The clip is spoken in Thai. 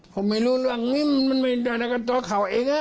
ผมไม่รู้เรื่องนี้มันไม่ได้กับตัวเขาเอง